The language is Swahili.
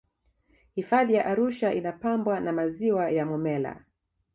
hifadhi ya arusha inapambwa na maziwa ya momella